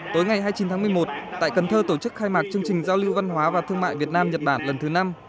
tối ngày hai mươi chín tháng một mươi một tại cần thơ tổ chức khai mạc chương trình giao lưu văn hóa và thương mại việt nam nhật bản lần thứ năm